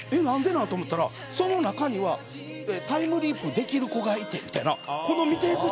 何でなんと思ったらその中には、タイムリープできる子がいてみたいな。